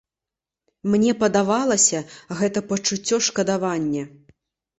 Мне падавалася, гэта пачуццё шкадавання.